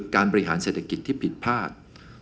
การบริหารเศรษฐกิจที่ผิดพลาด